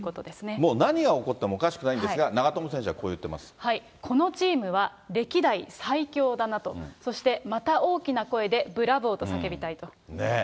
もう何が起こってもおかしくないんですが、長友選手はこう言このチームは、歴代最強だなと、そしてまた大きな声でブラボーと叫びたいと。